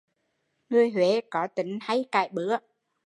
Người Huế có tính hay cãi bứa